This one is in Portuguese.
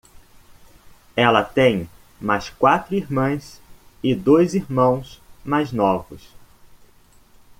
Ela tem mais quatro irmãs e dois irmãos mais novos.